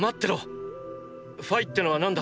ファイってのは何だ？